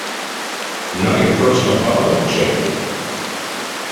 I'm not your personal butler, Jake.